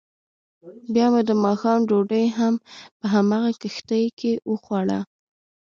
بیا مو دماښام ډوډۍ هم په همغه کښتۍ کې وخوړه.